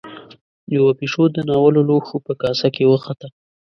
يوه پيشو د ناولو لوښو په کاسه کې وخته.